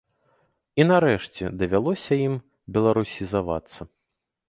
І, нарэшце, давялося ім беларусізавацца.